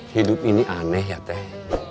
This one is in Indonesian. hidup ini aneh ya teh